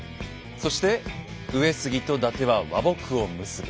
そして上杉と伊達は和睦を結ぶ。